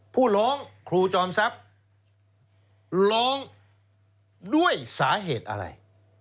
ผู้ร้องครูจอมทรัพย์ร้องด้วยสาเหตุอะไร